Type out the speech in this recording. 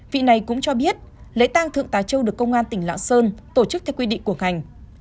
vị này cũng cho biết lễ tang thượng tá châu được công an tỉnh lạng sơn tổ chức theo quy định của ngành